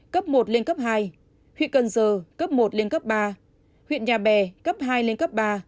cấp một lên cấp hai huyện cần giờ cấp một lên cấp ba huyện nhà bè cấp hai lên cấp ba